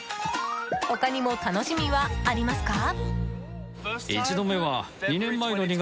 他にも楽しみはありますか？